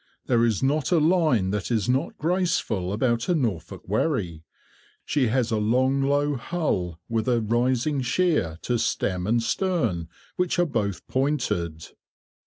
There is not a line that is not graceful about a Norfolk wherry. She has a long low hull with a rising sheer to stem and stern, which are both pointed.